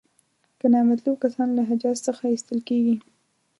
که نامطلوب کسان له حجاز څخه ایستل کیږي.